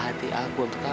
kamu mau bantu aku